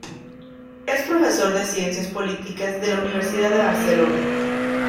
Es profesor de Ciencias Políticas de la Universidad de Barcelona.